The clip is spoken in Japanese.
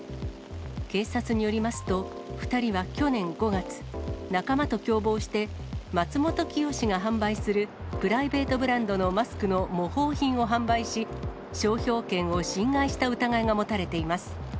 警察によりますと、２人は去年５月、仲間と共謀して、マツモトキヨシが販売するプライベートブランドのマスクの模倣品を販売し、商標権を侵害した疑いが持たれています。